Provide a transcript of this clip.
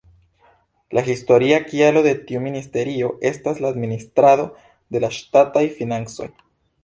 La historia kialo de tiu ministerio estas la administrado de la ŝtataj financoj.